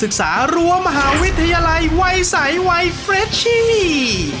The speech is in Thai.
ศึกษารั้วมหาวิทยาลัยวัยสายวัยเฟรดชินี